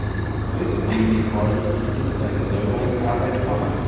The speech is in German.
Heute gehen die Vorsitzenden bei der Säuberungsarbeit voran.